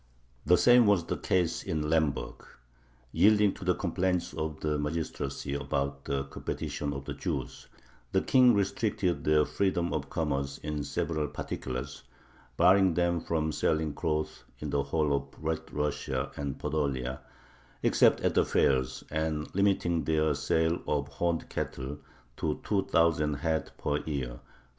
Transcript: The same was the case in Lemberg. Yielding to the complaints of the magistracy about the competition of the Jews, the King restricted their freedom of commerce in several particulars, barring them from selling cloth in the whole of [Red] Russia and Podolia, except at the fairs, and limiting their sale of horned cattle to two thousand head per year (1515).